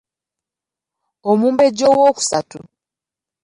Omumbejja owookusatu.